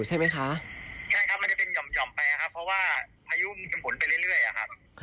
ใช่ครับมันจะย่อมไปนะครับเพราะว่าพยุมจะผมขนไปเรื่อยครับ